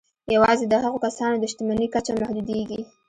یوازې د هغو کسانو د شتمني کچه محدودېږي